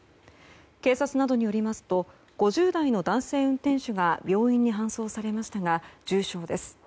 警察などによりますと５０代の男性運転手が病院に搬送されましたが重傷です。